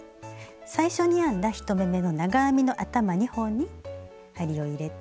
最初に編んだ１目めの長編みの頭２本に針を入れて。